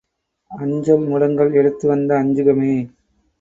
அஞ்சல் முடங்கல் எடுத்து வந்த அஞ்சுகமே!